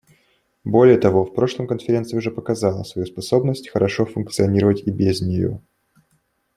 Более того, в прошлом Конференция уже показала свою способность хорошо функционировать и без нее.